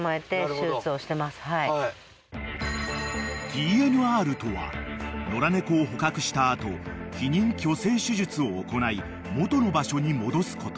［ＴＮＲとは野良猫を捕獲した後避妊去勢手術を行い元の場所に戻すこと］